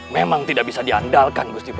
memang tidak bisa diandalkan gusti prabu